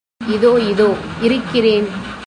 இதோ இதோ இருக்கிறேன்.